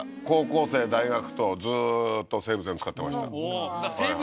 高校生大学とずっと西武線使ってました。